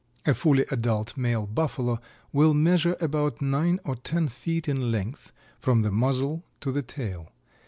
A fully adult male Buffalo will measure about nine or ten feet in length from the muzzle to the tail.